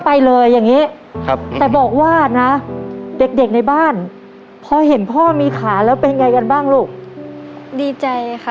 ไปและก็ไปเลยอย่างนี้